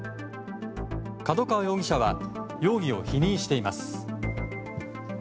角川容疑者は容疑を否認しています。